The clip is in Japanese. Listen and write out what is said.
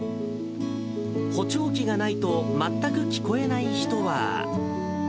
補聴器がないと、全く聞こえない人は。